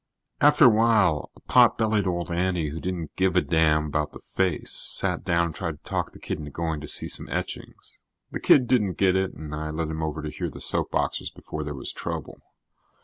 After a while, a pot bellied old auntie who didn't give a damn about the face sat down and tried to talk the kid into going to see some etchings. The kid didn't get it and I led him over to hear the soap boxers before there was trouble.